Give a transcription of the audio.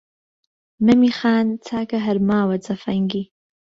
«مەمی خان» چاکە هەر ماوە جەفەنگی